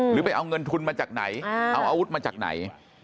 หรือไปเอาเงินทุนมาจากไหนเอาอาวุธมาจากไหน